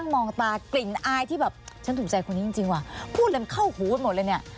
มองตากลิ่นอายที่แบบฉันถูกใจคนนี้จริงว่ะพูดเลยมันเข้าหูกันหมดเลยเนี่ย